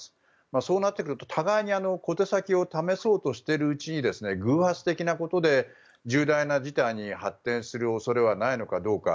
そうなってくると互いに小手先を試そうとしているうちに偶発的なことで重大な事態に発展する恐れはないのかどうか。